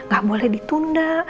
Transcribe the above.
gak boleh ditunda